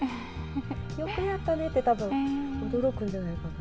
よくやったねって多分驚くんじゃないかな？